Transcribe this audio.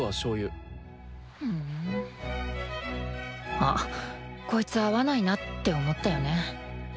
「あこいつ合わないな」って思ったよね